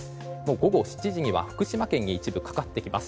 午後７時には福島県に一部かかってきます。